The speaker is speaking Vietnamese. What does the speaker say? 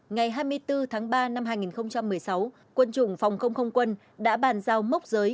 ngày hai mươi bốn tháng ba năm hai nghìn một mươi sáu quân chủng phòng không không quân đã bàn giao mốc giới